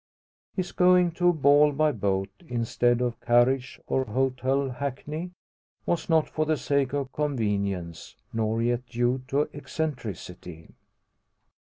His going to a ball by boat, instead of carriage or hotel hackney, was not for the sake of convenience, nor yet due to eccentricity.